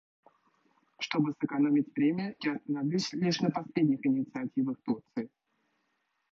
Чтобы сэкономить время, я остановлюсь лишь на последних инициативах Турции.